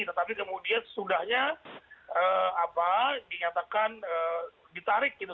tetapi kemudian sesudahnya dinyatakan ditarik gitu